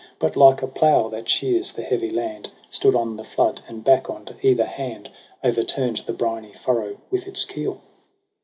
But like a plough that shears the heavy land Stood on the flood, and back on either hand O'erturn'd the briny furrow with its keel.